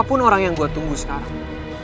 siapa pun orang yang gue tunggu sekarang